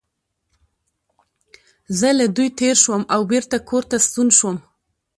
زه له دوی تېر شوم او بېرته کور ته ستون شوم.